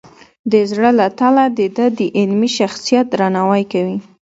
د زړه له تله د ده د علمي شخصیت درناوی کوي.